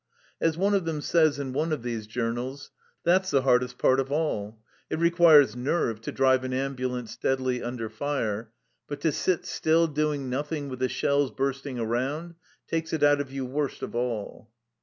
As one of them says in one of these x NOTE journals, " that's the hardest part of all ; it requires nerve to drive an ambulance steadily under fire, but to sit still doing nothing with the shells burst ing around takes it out of you worst of all."